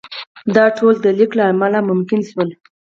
دا ټول د لیک له امله ممکن شول.